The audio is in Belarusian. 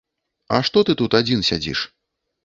А што ты тут адзін сядзіш?